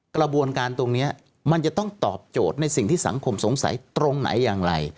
กระบวนการตรงนี้มันจะต้องตอบโจทย์ในสิ่งที่สังคมสงสัยตรงไหนอย่างไร